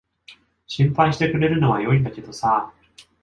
心配してくれるのは良いんだけどさ。